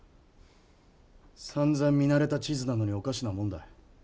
さんざん見慣れた地図なのにおかしなもんだ。